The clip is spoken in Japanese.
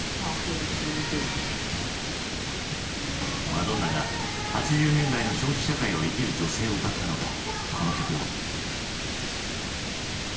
マドンナが８０年代の消費社会を生きる女性を歌ったのがこの曲だ。